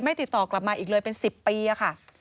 ติดต่อกลับมาอีกเลยเป็น๑๐ปีค่ะ